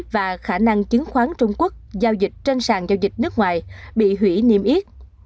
và khả năng chứng khoán trung quốc giao dịch trên sàn giao dịch nước ngoài bị hủy niêm yết